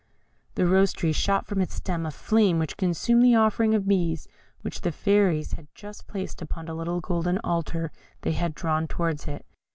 The Rose tree shot from its stem a flame which consumed the offering of bees which the fairies had just placed upon a little golden altar they had drawn towards it.